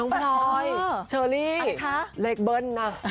น้องบรอยเชอลี่เล็กเบิ้ลนะ